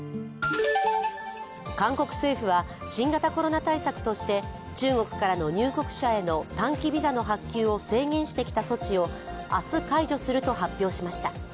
韓国政府は新型コロナ対策として中国からの入国者への短期ビザの発給を制限してきた措置を明日、解除すると発表しました。